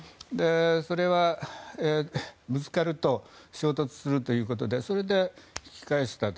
それで、ぶつかると衝突するということでそれで、引き返したと。